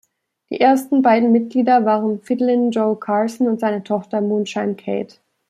Die ersten beiden Mitglieder waren Fiddlin’ John Carson und seine Tochter Moonshine Kate.